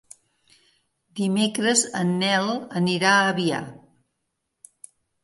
Dimecres en Nel anirà a Avià.